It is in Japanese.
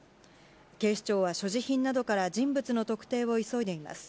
警視庁は所持品などから人物の特定を急いでいます。